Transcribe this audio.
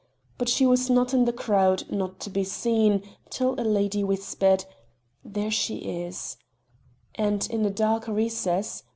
But she was not in the crowd not to be seen, till a lady whispered: "There she is," and in a dark recess.